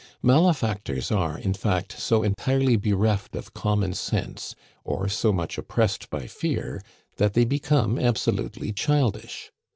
Malefactors are, in fact, so entirely bereft of common sense, or so much oppressed by fear, that they become absolutely childish.